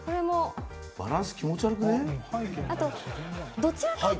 バランス気持ち悪くない。